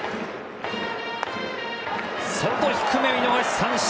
低め、見逃し三振。